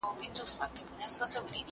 بوټونه پاک کړه!